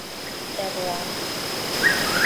ЭРЛА